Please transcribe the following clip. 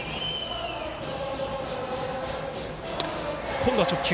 今度は直球。